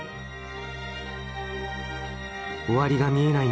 終わりが見えない